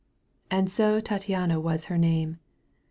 And so Tattiana was her name.